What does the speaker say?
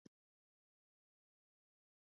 هغه درانه خلګ اوس نشته.